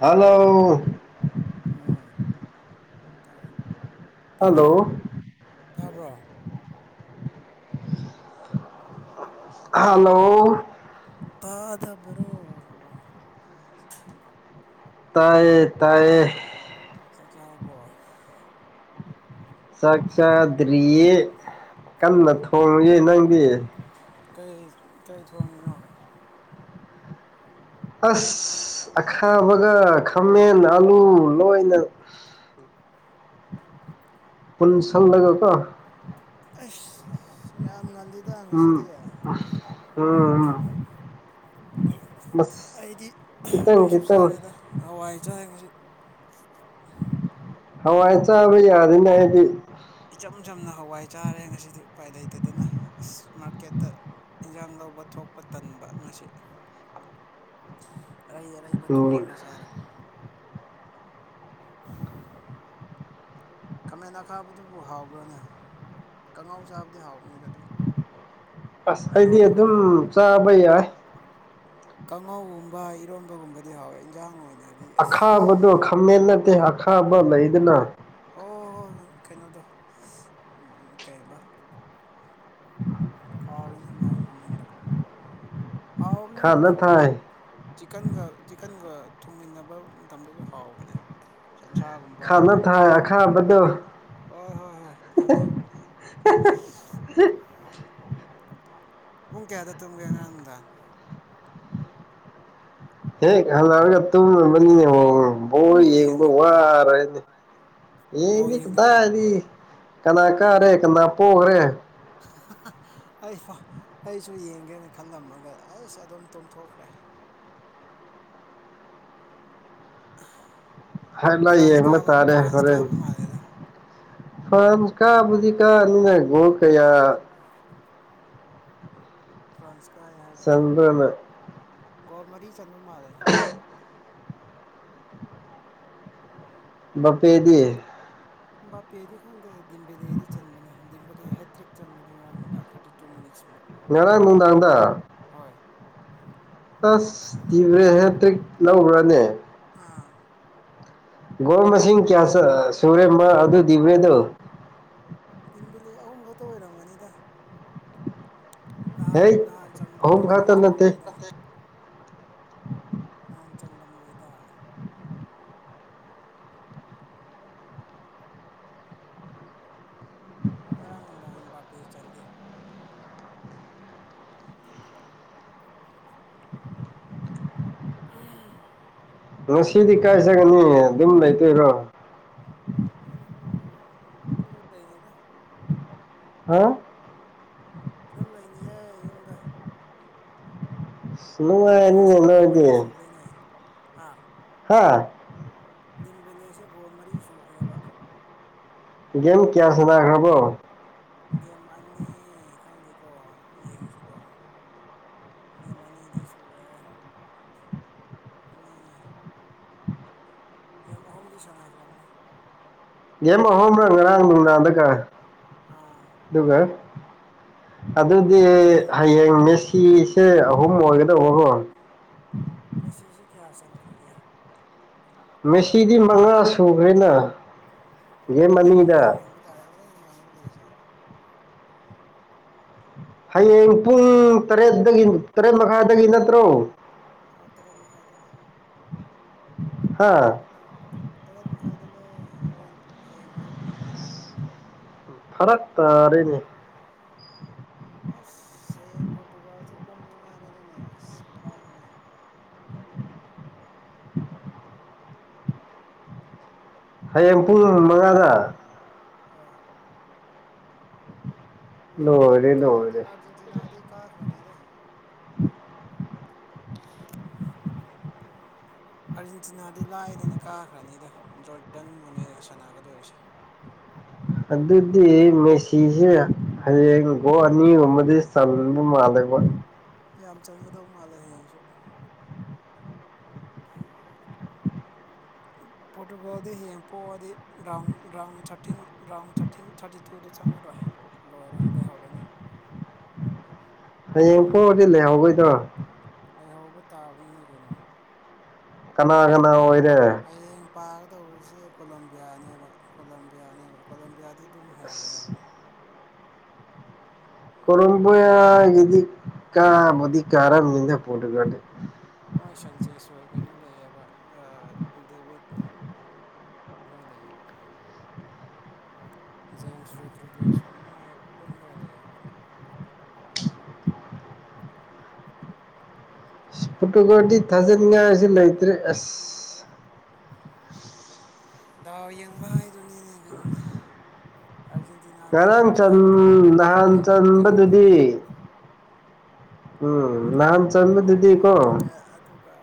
hello ꯎꯝ ꯇꯥꯏ ꯇꯥꯔꯕ ꯍꯜꯂꯣ ꯇꯥꯔꯕ ꯍꯂꯣ ꯄꯥꯗꯕꯔꯣ ꯇꯥꯏꯌꯦ ꯇꯥꯏꯌꯦ ꯆꯥꯛ ꯆꯥꯔꯕꯣ ꯆꯥꯛ ꯆꯗ꯭ꯔꯤꯌꯦ ꯀꯟꯅ ꯊꯣꯡꯉꯨꯏ ꯅꯪꯗꯤ ꯀꯩ ꯀꯩ ꯊꯣꯡꯉꯤꯅꯣ ꯑꯁ ꯑꯈꯥꯕꯒ ꯈꯥꯃꯦꯟ ꯑꯥꯂꯨ ꯂꯣꯏꯅ ꯄꯨꯨꯡ ꯁꯟ ꯂꯒꯒ ꯑꯁ ꯌꯥꯝ ꯉꯜꯂꯤꯗ ꯎꯝ ꯉꯁꯤꯗꯤ ꯎꯝ ꯃꯁ ꯑꯩꯗꯤ ꯈꯤꯇꯪ ꯑꯩꯁꯨ ꯈꯤꯇꯪ ꯆꯥꯔꯦꯗ ꯍꯋꯥꯏ ꯆꯥꯔꯁꯤ ꯍꯥꯎ ꯍꯥꯏ ꯆꯕꯩ ꯌꯥ ꯏꯆꯝ ꯆꯝꯅ ꯍꯋꯥꯏ ꯆꯥꯔꯦ ꯉꯁꯤꯗꯤ ꯎꯄꯥꯏ ꯂꯩꯇꯗꯅ ꯑꯁ ꯃꯥꯔꯀꯦꯠꯇ ꯏꯟꯁꯥꯡ ꯂꯧꯕ ꯊꯣꯛꯄ ꯇꯟꯕ ꯉꯁꯤ ꯑꯔꯩ ꯑꯔꯩꯕ ꯎꯝ ꯊꯣꯡꯉꯒ ꯆꯥꯔꯦ [unintelligible] [inaudible] ꯀꯃꯦꯟ ꯑꯈꯥꯕꯗꯨꯕꯨ ꯍꯥꯎꯕ꯭ꯔꯣꯅꯦ ꯀꯉꯥꯎ ꯆꯥꯕꯨꯗꯤ ꯍꯥꯎꯅꯦꯗ ꯑꯗꯨꯝ ꯑꯁ ꯑꯩꯗꯤ ꯑꯗꯨꯝ ꯏꯔꯣꯝꯕꯒꯨꯝꯕ ꯆꯥꯕ ꯌꯥꯏ ꯕꯥ ꯏꯔꯣꯟꯕꯒꯨꯝꯕꯗꯤ ꯍꯥꯎꯋꯦ ꯏꯟꯖꯥꯡ ꯑꯣꯏꯅ ꯑꯈꯥꯕꯗꯣ ꯈꯥꯃꯦꯟ ꯅꯠꯇꯦ ꯑꯈꯥꯕ ꯂꯩꯗꯅ ꯑꯣ ꯍꯣꯏ ꯍꯣꯏ ꯀꯩꯅꯣꯗꯣ ꯀꯩꯕ ꯇꯥꯎꯔꯤꯅꯦ ꯃꯥꯒꯤ ꯃꯃꯤꯡꯗ ꯍꯥꯎ ꯍꯕꯅꯤ ꯈꯥꯅ ꯇꯨꯁꯨ ꯊꯥꯏ ꯆ ꯆ ꯊꯣꯡꯃꯤꯟꯅꯕ ꯃꯇꯝꯗꯁꯨ ꯍꯥꯎꯕꯅꯦ ꯁꯟꯁꯥꯒꯨꯝꯕ ꯈꯥꯅ ꯊꯥꯏ ꯑꯈꯥꯕꯗꯣ ꯍꯣꯏ ꯍꯣꯏ ꯍꯣꯏ ꯈꯪꯉꯦ [unintelligible] ꯄꯨꯡ ꯀꯌꯥꯗ ꯇꯨꯡꯝꯒꯦ ꯉꯔꯥꯡꯗ ꯍꯦꯛ ꯍꯜꯂꯛꯑꯒ ꯇꯨꯝꯕꯅꯤꯅꯦ ꯍ ꯕꯣꯏ ꯕꯣꯜ ꯌꯦꯡꯕ ꯌꯦꯡꯗꯕ꯭ꯔꯣ ꯋꯥꯔꯣꯏꯅꯤ ꯕꯣꯜ ꯏꯅꯤ ꯌꯦꯡꯗꯕ꯭ꯔꯣ ꯀꯗꯥꯗꯤ ꯀꯅꯥ ꯀꯔꯦ ꯀꯅꯥ ꯐꯣꯒ ꯔꯦ [unintelligible] ꯑꯩ ꯑꯩꯁꯨ ꯌꯦꯡꯒꯦꯅ ꯈꯜꯂꯝꯃꯒ ꯑꯁ ꯑꯗꯨꯝ ꯇꯨꯝꯝꯊꯣꯛꯈ꯭ꯔꯦ [unintelligible] ꯍꯥꯏ ꯂꯥꯛ ꯐ꯭ꯔꯥꯟꯁ ꯌꯦꯡꯕ ꯀꯥꯕ ꯇꯥꯔꯦ ꯐ꯭ꯔꯥꯟꯁ ꯍꯣꯔꯦꯟ ꯀꯥꯕ ꯃꯥꯜꯂꯦꯗ ꯐꯥꯟꯁ ꯀꯥꯕꯨꯗꯤ ꯀꯥ ꯅꯒꯣ ꯀꯌꯥ ꯐ꯭ꯔꯥꯟꯁꯀꯥꯔ ꯆꯒ꯭ꯔꯃ ꯀꯣ ꯃꯔꯤ ꯆꯟꯕ ꯃꯥꯜꯂꯦ ꯄꯦꯗꯤꯑꯌꯦ ꯕꯥꯄꯦꯗꯤ ꯈꯪꯗꯦ ꯗꯤꯝꯝꯕꯦꯂꯦꯗꯤ ꯆꯟꯕꯅꯦ ꯗꯤꯝꯝꯕꯂꯦ ꯍꯦꯇ꯭ꯔꯤꯛ ꯆꯟꯕꯅꯦ ꯅꯪꯔꯥꯡꯅꯨꯡꯗꯥ ꯊꯔꯇꯤ ꯇꯨ ꯃꯤꯅꯤꯠꯁ ꯉꯔꯥꯡ ꯌꯧꯗ꯭ꯔꯤꯉꯩꯗ ꯅꯨꯗꯥꯉꯗ ꯍꯣꯏ ꯇꯁ ꯇꯤꯚꯦ ꯍꯦꯇ꯭ꯔꯤꯛ ꯂꯧꯧꯕ꯭ꯔꯅꯦ ꯑꯥ ꯣ ꯃꯁꯤꯡ ꯃꯁꯤꯡ ꯀꯌꯥ ꯁꯨꯔꯦꯃ ꯑꯗꯨ ꯕ꯭ꯔꯦꯗꯣ ꯇꯤꯝꯕꯤꯂꯤ ꯑꯍꯨꯝ ꯈꯛꯇ ꯑꯣꯏꯔꯝꯒꯅꯤꯗ ꯅꯍꯥꯟ ꯍꯩꯠ ꯅꯍꯥꯟ ꯆꯟꯕ꯭ꯔꯅꯦ ꯑꯍꯨꯝ ꯅꯍꯥꯟ ꯈꯛꯇ ꯆꯜꯂꯝ ꯅꯠꯇꯦ ꯃꯣꯏꯗ [unintelligible] ꯅꯍꯥꯟ ꯆꯟꯗ ꯃꯣꯏꯗ ꯉꯔꯥꯡꯗꯥ ꯕꯥꯄꯤꯦ ꯆꯟꯗꯦ ꯉꯁꯤꯗꯤ ꯀꯥꯏꯖꯒꯅꯤ ꯑꯗꯨꯝ ꯂꯩꯇꯣꯏꯔꯣ ꯑꯗꯨꯝ ꯂꯩꯅꯤꯗ ꯍꯥ ꯑꯗꯨꯝ ꯂꯩꯅꯤꯌꯦ ꯌꯨꯝꯗ ꯁꯤ ꯃ ꯍꯥꯏ ꯆ ꯍꯥꯏꯇꯦ ꯑꯥ ꯍꯥ ꯗꯤꯝꯕꯤꯂꯦꯁꯦ ꯒꯣ ꯃꯔꯤ ꯁꯨꯈ꯭ꯔꯦꯕ ꯒꯦꯝ ꯀꯌꯥꯁꯅꯥ ꯈꯕꯣ ꯒꯦꯝ ꯑꯅꯤ ꯈꯪꯗꯦꯀꯣ ꯌꯦꯡꯁꯤꯀꯣ ꯒꯦꯝ ꯑꯅꯤꯗꯤ ꯁꯨꯔꯦ ꯑꯅꯤ ꯃꯤꯦꯝ ꯑꯍꯨꯝꯗꯤ ꯁꯥꯟꯅꯈ꯭ꯔꯕꯅꯦ ꯌꯦꯦꯝ ꯑꯍꯣꯡꯕ꯭ꯔꯥ ꯉꯔꯥꯡ ꯅꯨꯡꯗꯥꯡꯗꯒ ꯑꯥ ꯑꯗꯨꯒ ꯑꯗꯨꯗꯤ ꯒꯣꯜ ꯃꯔꯤ ꯍꯌꯦꯡ ꯃꯦꯁꯤꯁꯦ ꯑꯍꯨꯝ ꯑꯣꯏꯒꯗꯧꯕꯕꯣ ꯃꯦ ꯁꯤꯖꯦ ꯀꯌꯥ ꯑꯁꯟ ꯈꯒꯦ ꯃꯦꯁꯤꯗꯤ ꯃꯉꯥ ꯁꯨꯈ꯭ꯔꯦꯅ ꯑꯣ ꯒꯦꯝ ꯍꯣꯔꯦꯟ ꯅꯨꯡꯗꯥꯡ ꯑꯅꯤꯗ ꯌꯦꯡꯕ ꯇꯥꯔꯦ ꯍꯣꯔꯦꯟ ꯅꯨꯡꯗꯥꯡꯒ ꯂꯩꯔꯤꯁꯦ ꯍꯌꯦꯡ ꯄꯨꯡ ꯇꯔꯦꯠꯇꯒꯤ ꯇꯔꯦꯠ ꯃꯈꯥꯏꯗꯒꯤ ꯅꯠꯇ꯭ꯔꯣ ꯍꯥꯎ ꯇꯔꯦ ꯃꯈꯥꯥꯏꯇꯥꯅꯦ [unintelligible] ꯇꯔꯦꯠ ꯃꯈꯥꯏꯗꯅꯦ ꯍꯣꯔꯦꯟ ꯍꯌꯦꯡ ꯑꯌꯨꯛ ꯐꯔꯛ ꯇꯥꯔꯦꯅꯦ [unintelligible] ꯑꯁ ꯁꯌꯦꯡ ꯄꯣꯔꯇꯨꯒꯥꯜꯁꯨ ꯄꯨꯡ ꯃꯉꯥꯗꯅꯤꯅꯦ ꯑꯁ ꯕꯤꯔꯥꯅꯤꯅꯦ ꯎ ꯍꯌꯦꯡ ꯄꯨꯡ ꯃꯉꯥꯗ ꯍꯣꯏ ꯔꯗꯟ ꯂꯣꯏꯔꯦ ꯀꯩꯅ ꯍ ꯂꯣꯏꯔꯦ ꯑꯔꯖꯦꯟꯇꯤꯅꯥꯒꯤ ꯀꯥ ꯈꯔꯅꯤꯗ [unintelligible] ꯑꯥꯔꯖꯦꯟꯇꯤꯅꯥꯗꯤ ꯂꯥꯏꯗꯅ ꯀꯥꯈ꯭ꯔꯅꯤꯗ ꯖꯣꯔꯗꯟꯕꯨꯅꯦꯅ ꯁꯥꯟꯅꯒꯗꯣꯔꯤꯁꯦ ꯑꯗꯨꯗꯤ ꯃꯦꯁꯤꯁꯦ ꯍꯌꯦꯡꯀꯣ ꯑꯅꯤꯒꯨꯝꯕꯗꯤ ꯆꯜꯕ ꯃꯥꯜꯂꯦꯕ ꯌꯥꯝ ꯆꯪꯅꯤꯡꯒꯗꯧ ꯃꯥꯜꯂꯦ ꯍꯌꯦꯡꯁꯨ [unintelligible] ꯄꯣꯔꯇꯨꯒꯣꯜꯗꯤ ꯍꯌꯦꯡ ꯄꯣꯛꯑꯗꯤ round round thirteen round thirteen thirty ꯇꯨꯗꯣ ꯆꯪꯉꯔꯣꯏ ꯂꯣꯏꯔꯦ ꯂꯩꯍꯧꯔꯅꯤ ꯍꯌꯦꯡ ꯄꯑꯗꯤ ꯂꯩꯍꯧꯧꯕꯩꯗꯣ ꯂꯩꯍꯧꯕ ꯇꯥꯕꯅꯤꯅ ꯀꯩꯅꯣ ꯀꯅꯥ ꯀꯅꯥ ꯑꯣꯏ ꯍꯌꯦꯡ ꯄꯥꯒꯗꯧꯕꯁꯦ ꯀꯣꯂꯝꯕꯤꯌꯥꯅꯦꯕ ꯀꯣꯂꯝꯕꯤꯌꯥꯅꯦꯕ ꯀꯣꯂꯝꯕꯤꯌꯥꯗꯤ ꯑꯗꯨꯝ ꯍꯩꯕꯅꯦꯕ ꯑꯁ ꯀꯔꯕ ꯌꯥꯗꯤ ꯀꯥ ꯃꯗꯤ ꯀꯔ ꯄꯀꯣꯦ ꯃꯣꯏ ꯁꯟꯆꯦꯁꯣꯏ ꯀꯩꯅꯣ ꯂꯩꯑꯦꯕ ꯗꯦꯚꯠ ꯅꯣꯏꯗꯌꯦꯕ ꯖꯦꯝꯁ ꯔꯨ ꯗ꯭ꯔꯤꯕꯤ꯭ꯌꯥ ꯁ ꯃ ꯃꯥꯏ ꯄꯨꯜꯂꯒ ꯂꯩꯑꯕ [unintelligible] ꯐꯨꯇꯨꯀꯣꯗꯤ ꯊꯥꯖꯅꯤꯡꯉꯥꯏꯁꯤ ꯂꯩꯇ꯭ꯔꯦ ꯑꯁ ꯗꯥꯎ ꯌꯦꯡꯕ꯭ꯔ ꯍꯥꯏꯗꯨꯅꯤꯅꯦ ꯀꯩꯅꯣꯅꯦ ꯑꯥꯔꯖꯦꯟꯇꯤꯅꯥꯗꯤ ꯑꯗꯨꯝ ꯉꯔꯥꯡ ꯆꯟ ꯀꯥꯒꯗꯧꯕ ꯃꯥꯜꯂꯦ ꯅꯍꯥꯟ ꯃꯣꯏꯁꯦ ꯀꯩꯅꯣꯗ ꯂꯩꯌꯦꯕ ꯆꯟꯕꯗꯨꯗꯤ ꯎꯝ ꯅꯍꯥꯟ ꯆꯟꯕꯗꯨꯗꯤꯀꯣ ꯣꯦꯜꯔꯦ ꯑꯗꯨꯒ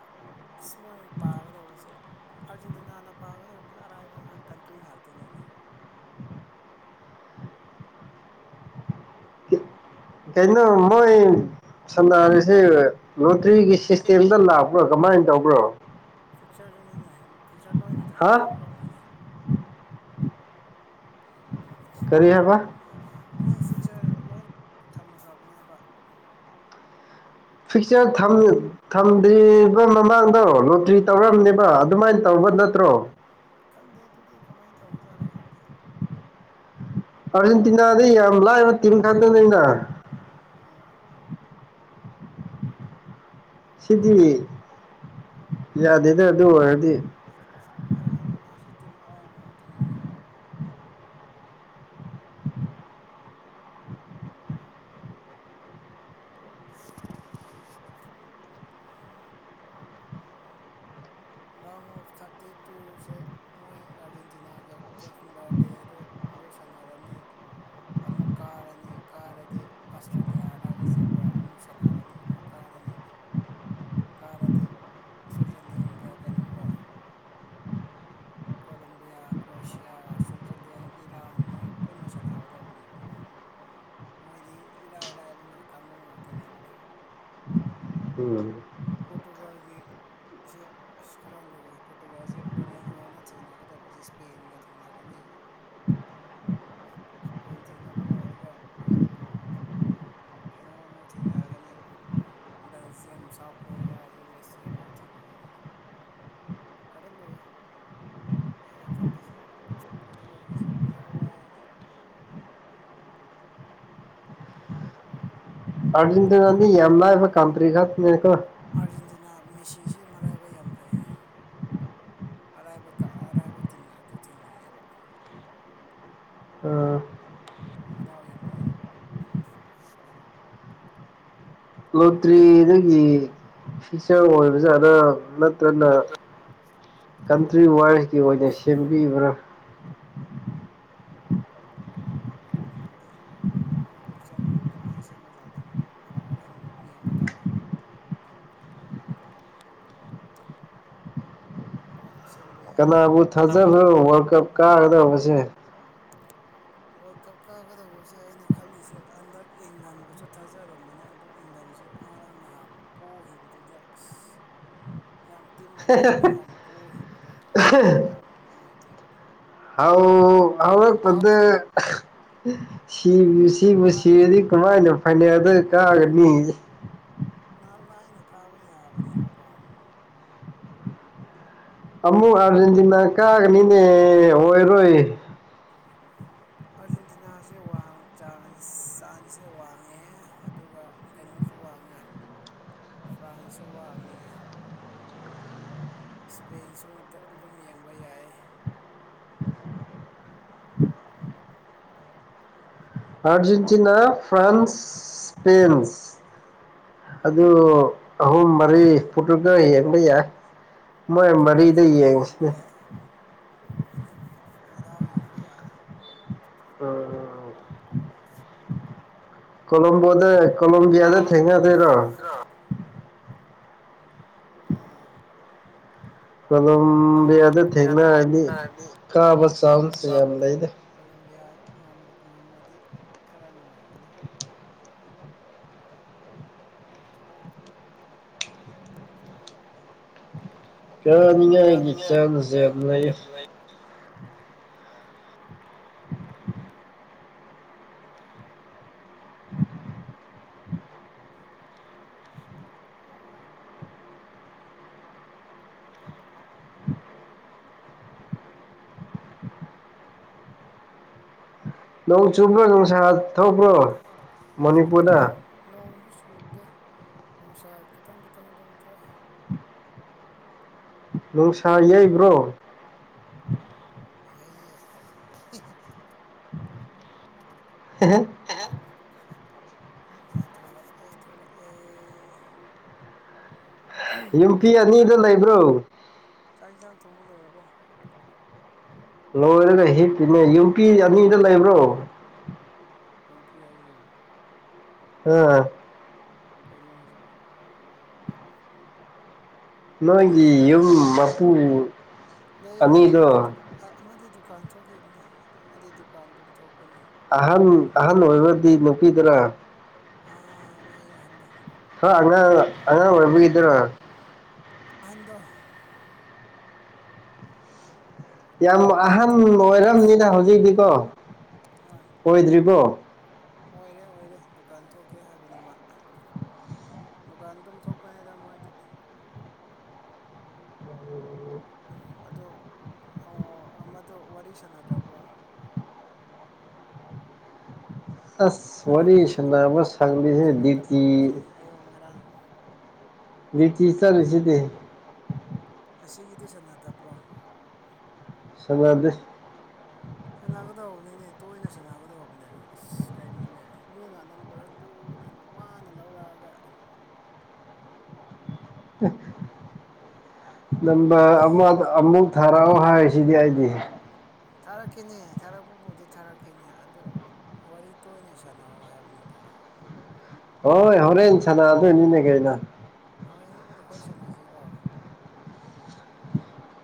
ꯑꯁ ꯃꯣꯏ ꯄꯥꯒꯗꯧꯕꯁꯦ ꯑꯥꯔꯖꯦꯟꯇꯤꯅꯥꯅ ꯄꯥꯒꯗꯧꯕꯁꯦ ꯑꯔꯥꯏꯕ ꯀꯟꯇ꯭ꯔꯤ ꯉꯥꯛꯇꯅꯦꯗ ꯀꯩꯅꯅꯣ ꯃꯣꯏ ꯁꯥꯟꯗꯁꯤ ꯊ꯭ꯔꯤꯒꯤ ꯁꯤꯁꯇꯦꯝꯗ ꯂꯥꯛꯄ꯭ꯔꯣ ꯀꯃꯥꯏꯅ ꯇꯧꯕ꯭ꯔꯣ ꯄꯤꯛꯆꯔꯗꯅꯅꯦ ꯄꯤꯛꯆꯔꯗ ꯑꯣꯏꯅ ꯇ ꯍꯥ ꯑꯩꯅꯣ ꯇꯧꯈ꯭ꯔꯕꯅꯅꯦ ꯀꯔꯤ ꯍꯥꯏꯕ ꯃ ꯐ ꯂꯣꯟ ꯊꯝꯈ꯭ꯔꯕꯅꯦꯕ ꯐꯤꯛꯆꯔ ꯊꯝꯗ꯭ꯔꯤꯕ ꯃꯃꯥꯡꯗꯣ ꯭ꯔꯤ ꯑꯥ ꯇꯧꯔꯝꯅꯦꯕ ꯑꯗꯨꯃꯥꯏꯅ ꯇꯧꯕ ꯅꯠꯇ꯭ꯔꯣ ꯊꯥꯎꯒ ꯂ ꯈꯪꯗꯦ ꯑꯥꯔꯖꯦꯟꯇꯤꯅꯥꯗ ꯌꯥꯝ ꯂꯥꯏꯕ ꯇꯤꯝ ꯈꯛꯇꯅꯤꯩꯅ ꯑꯥ ꯁꯤꯗꯤ ꯌꯥꯗꯦꯗ ꯑꯗꯨ ꯑꯣꯏꯔꯗꯤ ꯇꯤ ꯑꯔꯥꯏꯕ ꯉꯥꯛꯇꯅꯤꯅꯦ ꯔꯥꯎꯟ ꯑꯣꯐ ꯊꯥꯔꯇꯤ ꯇꯨꯁꯦ ꯃꯣꯏ ꯑꯥꯔꯖꯦꯟꯇꯤꯅꯥꯒ ꯀꯦꯞ ꯔꯗꯦ ꯑꯗꯣ ꯑꯗꯨ ꯁꯥꯟꯅꯔꯅꯤ ꯑꯃꯨꯛ ꯀꯥꯔꯅꯤ ꯀꯥꯔꯗꯤ ꯑꯁꯇ꯭ꯔꯦꯂꯤꯌꯥꯔꯥ ꯏꯖꯤꯞꯔꯥ ꯑꯃꯨꯛ ꯁꯅꯥꯔꯅꯤ ꯑꯃꯨꯛ ꯀꯥꯔꯅꯤ ꯔꯅꯤ ꯀꯥꯔꯗꯤ ꯁ꯭ꯋꯤꯖꯔꯂꯦꯟꯒ ꯀꯩꯅꯣꯒ ꯀꯣꯂꯝꯣꯕꯤꯌꯥ ꯀ꯭ꯔꯣꯁꯤꯌꯥ ꯁ꯭ꯋꯤꯠꯖꯔꯂꯦꯟ ꯏꯔꯥꯟ ꯃꯣꯏ ꯄꯨꯟꯅ ꯁꯥꯟꯅꯒꯗꯧꯕꯅꯦꯕ [unintelligible] ꯃꯣꯏꯗꯤ ꯏꯔꯥꯏꯔꯥꯏꯕ ꯉ ꯀꯥꯡꯕꯨ ꯉꯥꯛꯇꯅꯦꯕ ꯎꯝ ꯄꯣꯇꯀꯜꯒꯤ ꯁꯦ ꯑꯁ ꯈꯔ ꯂꯨꯏꯦ ꯄꯣꯔꯇꯨꯒꯥꯜꯁꯦ ꯔꯣꯅꯥꯜꯗꯣꯅ ꯊꯦꯡꯅꯒꯗꯧꯕꯁꯦ ꯏꯁꯄꯦꯟꯒ ꯊꯦꯡꯅꯒꯅꯤ [inaudible] ꯏꯁꯄꯦꯟ ꯊꯦꯡꯅꯕ ꯂꯣꯏꯔꯒ ꯀꯩꯅꯣꯝꯃꯨꯛ ꯊꯦꯡꯅꯔꯒꯅꯤ Belgium South Korea U S A ꯃꯣꯏ ꯊꯦꯡꯅꯒꯅꯤ ꯀꯗꯦꯜ ꯂꯣꯏ ꯑꯩꯅ ꯈꯜꯂꯤꯁꯦ ꯐꯣꯇꯣꯒ꯭ꯔꯥꯐꯤꯁꯤꯦ ꯈꯔ ꯋꯥꯏꯔꯅꯤ ꯑꯔꯖꯦꯟꯇꯅꯥꯅꯤ ꯌꯦꯂ ꯀꯟꯇ꯭ꯔꯤ ꯈꯥꯀꯣ ꯑꯥꯔꯖꯦꯟꯇꯤꯅꯥ ꯃꯦꯁꯤꯁꯤ ꯃꯔꯥꯏꯕ ꯌꯥꯝ ꯐꯩ ꯍꯥꯏ ꯑꯔꯥꯏꯕ ꯑꯔꯥꯏꯕ ꯇꯤꯝ ꯉꯥꯛꯇ ꯊꯦꯡꯅꯩꯑꯌꯦꯕ ꯑꯝ ꯃꯗꯥ ꯑꯣꯏ ꯌꯥꯝ ꯐꯩ ꯂꯣꯇ꯭ꯔꯤꯗꯒꯤ ꯐꯤꯆꯔ ꯑꯣꯏꯕꯖꯥꯠꯅ ꯅꯠꯇ꯭ꯔꯅ ꯀꯟꯇ꯭ꯔꯤ ꯋꯥꯔꯁꯀꯤ ꯑꯣꯏꯅ ꯁꯦꯝꯕꯤꯕ꯭ꯔꯥ [inaudible] ꯍꯣꯏ ꯐꯤꯌꯨꯆꯔ ꯀꯃꯥꯏꯅ ꯁꯦꯝꯕꯖꯥꯠꯗꯥꯎ ꯍꯣꯔꯦꯟ ꯌꯦꯡꯕ ꯇꯥꯔꯦ [inaudible] ꯃꯣꯏ [inaudible] ꯌꯥꯗꯦꯕ ꯀꯅꯥꯕꯨ ꯊꯥꯖꯕ꯭ꯔꯣ ꯋꯥꯔꯜ ꯀꯞ ꯀꯥꯒꯗꯕꯁꯦ ꯋꯥꯔꯜ ꯀꯞ ꯀꯥꯒꯗꯧꯕꯁꯦ ꯑꯩꯅ ꯈꯜꯂꯤꯁꯦ ꯍꯟꯗꯛ ꯏꯪꯂꯥꯟꯕꯨꯁꯨ ꯊꯥꯖꯔꯝꯕꯅꯦ ꯑꯗꯨꯂꯥꯟ ꯑꯗꯨꯁꯛ ꯉꯔꯥꯡ ꯅꯍꯥꯟ ꯄꯣꯛꯈꯤꯕꯗꯨꯗ ꯑꯁ ꯎꯝ ꯌꯥꯝ ꯇꯤ ꯑꯔꯥꯏꯕ ꯌꯥꯝ ꯄꯣꯛꯈꯤꯕꯗꯣ ꯌꯥꯝ ꯅꯨꯡꯉꯥꯏꯇꯦꯕ ꯍꯥꯎ ꯍꯥꯎ ꯄꯊ ꯁꯤ ꯁꯤꯕꯨ ꯅꯍꯥꯟ ꯁꯤꯕꯗꯤ ꯀꯃꯥꯏꯅ ꯐꯅꯦꯛꯗ ꯀꯥꯒꯅꯤ ꯑꯩꯅ ꯀꯥꯕ ꯌꯥꯕꯅꯦꯕꯀꯣ ꯑꯃꯃꯨ ꯑꯔꯖꯦꯟꯇꯤꯅꯥ ꯀꯥꯒꯅꯤꯅꯦ ꯑꯣꯏꯣꯏꯔꯣꯏꯣꯏ ꯑꯥꯔꯖꯦꯟꯇꯤꯅꯥꯁꯦ ꯆ ꯆꯥꯟꯁꯁꯦ ꯋꯥꯡꯉꯦ ꯑꯗꯨꯒ ꯀꯩꯅꯣ ꯁꯨ ꯋꯥꯡꯉꯦ ꯐ꯭ꯔꯥꯟꯁꯁꯨ ꯋꯥꯡꯉꯦ ꯏꯁꯄꯦꯟꯁꯨ ꯑꯗꯨꯝ ꯌꯦꯡꯕ ꯌꯥꯏ ꯑꯔꯖꯦꯟꯇꯤꯅꯥ ꯐ꯭ꯔꯥꯟꯁ ꯁꯄꯦꯟ ꯑꯗꯨ ꯑꯍꯨꯝ ꯃꯔꯤ ꯄꯨꯇ꯭ꯔꯨꯀ ꯌꯦꯡꯕ ꯌꯥꯏ ꯃꯣꯏ ꯃꯔꯤꯗ ꯄꯣꯔꯇꯨꯒꯜꯁꯨ ꯑꯗꯨꯝ ꯌꯦꯡꯕ ꯌꯦꯡꯉꯁꯤꯅꯦ ꯃꯗꯥ ꯌꯦꯡꯕ ꯌꯥꯏ ꯀꯂꯨꯝꯕꯗ ꯀꯣꯂꯣꯕꯤꯌꯥꯗ ꯊꯦꯡꯉ ꯊꯔꯣ ꯎꯝ ꯀꯂꯣꯝꯕꯤ ꯑꯗꯨꯗ ꯊꯦꯡꯅꯔꯅꯤ ꯀꯥꯕ ꯆꯥꯡꯁ ꯌꯥꯝ ꯂꯩꯗ ꯉꯕꯨ ꯉꯝꯃꯗꯤ ꯈꯔ ꯅꯨꯡꯉꯥꯏꯒꯅꯤ [inaudible] ꯀꯅꯤꯡꯉꯒꯤ ꯆꯥꯟꯁꯦꯅ ꯅꯣꯡ ꯆꯨꯕ꯭ꯔꯣ ꯅꯨꯡꯁꯥ ꯊꯧꯕ꯭ꯔꯣ ꯅꯨꯡꯁꯥ ꯃꯅꯤꯄꯨꯔꯗ ꯊꯣꯛꯑꯦꯗ ꯅꯣꯡꯁꯨ ꯆꯨꯗꯦ ꯅꯨꯡꯁꯥ ꯈꯤꯇꯪ ꯈꯤꯇꯪ ꯑꯗꯨꯝ ꯊꯣꯛꯑꯦ ꯅꯨꯡꯁꯥ ꯌꯩꯕ꯭ꯔꯣ ꯌꯥ [unintelligible] ꯍ ꯆ ꯊꯂ ꯑꯦ ꯊꯧꯂ ꯑꯦ ꯌꯨꯝꯄꯤ ꯑꯅꯤꯗ ꯂꯩꯕ꯭ꯔꯣ ꯆꯥꯛ ꯌꯦꯟꯁꯥꯡ ꯊꯣꯡꯕ ꯂꯣꯏꯔꯕꯣ ꯂꯣꯏꯔꯒ ꯍꯤꯞꯄꯤꯅꯦ ꯌꯨꯝꯄꯤ ꯑꯅꯤꯗ ꯂꯩꯕ꯭ꯔꯣ ꯌꯣꯡꯄꯤ ꯍꯥꯏꯒꯗꯣ ꯑꯝ ꯀꯩꯅꯣ ꯍꯥꯏꯁꯤꯕꯣ ꯅꯣꯏꯒꯤ ꯌꯨꯝ ꯃꯄꯨ ꯂꯩ ꯂꯩ ꯑꯃꯗꯤꯗꯨ ꯑꯅꯤꯗꯣ ꯑꯃꯗꯤ ꯗꯨꯀꯥꯟ ꯊꯣꯛꯈꯤꯕꯅꯤ ꯑꯃꯗꯤ ꯗꯨꯀꯥꯟ ꯑꯗꯨꯝ ꯊꯣꯛꯄꯅꯤ ꯑꯍꯟ ꯑꯍꯟ ꯑꯣꯏꯕꯗꯤ ꯅꯨꯄꯤꯗꯅ ꯑ ꯃꯒꯤ ꯑꯍꯟꯗ ꯍ ꯑꯉꯥꯡ ꯑꯉꯥꯡ ꯑꯣꯏꯕꯤꯒꯗꯔꯣ ꯑꯍꯟꯗ ꯌꯥꯝ ꯗꯨꯀꯥꯟꯗ ꯑꯍꯟ ꯊꯣꯛꯈꯤꯕꯅꯤ ꯑꯣꯏꯔꯝꯅꯤꯗ ꯍꯧꯖꯤꯛꯇꯤꯀꯣ ꯍꯣꯏ ꯑꯣꯏꯗ꯭ꯔꯤꯕꯣ ꯑꯣꯏꯔꯦ ꯑꯣꯏꯔꯦ ꯗꯨꯀꯥꯟ ꯊꯣꯛꯀꯦ ꯍꯥꯏꯕꯅꯤ ꯃꯥ ꯗꯨꯀꯥꯟ ꯑꯗꯨꯝ ꯊꯣꯛꯄꯅꯤꯗ ꯃꯣꯏꯗꯤ ꯑ ꯑꯣ ꯑꯃꯗꯣ ꯋꯥꯔꯤ ꯁꯥꯟꯅꯗ꯭ꯔꯕꯣ ꯑꯁ ꯉꯔꯥꯛ ꯋꯥꯔꯤ ꯑꯩꯅ ꯅꯝꯕꯔ ꯁꯥꯟꯅꯕ ꯄꯤꯔꯛꯄꯗꯣ ꯋꯥꯔꯤ ꯁꯪꯗꯦꯍꯦ ꯁꯥꯟꯅꯗꯕ꯭ꯔꯣ ꯉꯁꯤ ꯗ꯭ꯌꯨꯇꯤ ꯑꯌꯨꯛ ꯉꯔꯥꯡ ꯇꯤꯁ ꯆꯂꯁꯤꯗꯤ ꯑꯁꯤꯒꯤꯗꯤ ꯁꯥꯟꯅꯗꯕ꯭ꯔꯣ ꯁꯃꯗ ꯁꯥꯟꯅꯒꯗꯧꯕꯅꯤꯅꯦ ꯇꯣꯏꯅ ꯁꯥꯟꯅꯒꯗꯧꯕꯅꯦ ꯑꯁ ꯀꯩꯅꯣꯅꯦ ꯃꯤꯅ ꯅꯝꯕꯔ ꯂꯨ ꯄꯨ ꯑꯗꯨ ꯋꯥꯅ ꯂꯧꯔꯛꯑꯒ [unintelligible] ꯅꯝꯕ ꯅꯨꯡꯉꯥꯏꯇꯦ ꯑꯃ ꯑꯃꯨꯛ ꯊꯔꯑꯣ ꯍꯥꯏ ꯁꯤꯗꯤ ꯍꯥꯏꯗꯤ ꯊꯥꯔꯛꯈꯤꯅꯦ ꯊꯥꯔꯛꯄꯕꯨꯗꯤ ꯊꯥꯔꯛꯈꯤꯅꯦ ꯑꯗꯨ ꯋꯥꯔꯤ ꯇꯣꯏꯅ ꯁꯥꯟꯅꯧ ꯍꯥꯏꯕꯅꯤꯗ ꯍꯣꯏ ꯍꯣꯔꯦꯟꯦꯟ ꯁꯅ ꯑꯗꯨꯅꯦꯒꯗ ꯍꯣꯏ ꯑꯩꯈꯣꯏ ꯁꯟꯅꯁꯤꯀꯣ [unintelligible]